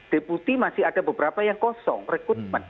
deputi masih ada beberapa yang kosong rekrutmen